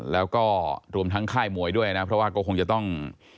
แล้วก็รวมทั้งค่ายมวยด้วยนะเพราะว่าก็คงจะต้อง